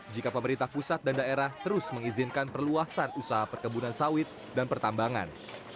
jika pemerintah pusat dan daerah terus mengizinkan perluasan usaha perkebunan sawit dan pertambangan